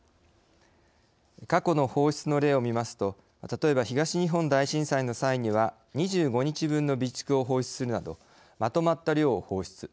過去の放出の例を見ますと例えば東日本大震災の際には２５日分の備蓄を放出するなどまとまった量を放出。